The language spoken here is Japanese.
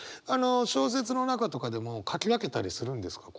小説の中とかでも書き分けたりするんですか？